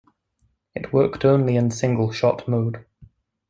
It worked only in single-shot mode.